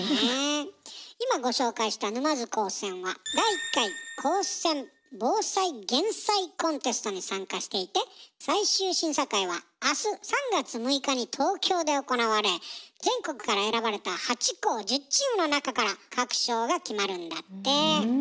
今ご紹介した沼津高専は第１回高専防災減災コンテストに参加していて最終審査会は明日３月６日に東京で行われ全国から選ばれた８校１０チームの中から各賞が決まるんだって。